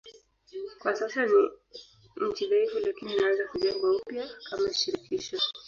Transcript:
Kwa sasa ni nchi dhaifu lakini inaanza kujengwa upya kama shirikisho.